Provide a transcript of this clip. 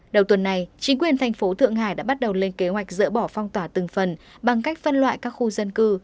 đầu tuần này chính quyền thành phố thượng hải đã bắt đầu lên kế hoạch dỡ bỏ phong tỏa từng phần bằng cách phân loại các khu dân cư